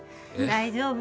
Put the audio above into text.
大丈夫？